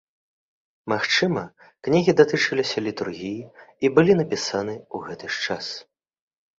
Магчыма, кнігі датычыліся літургіі і былі напісаны ў гэты ж час.